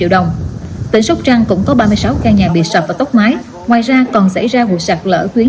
đồng tỉnh sóc trăng cũng có ba mươi sáu căn nhà bị sập và tóc mái ngoài ra còn xảy ra vụ sạt lở tuyến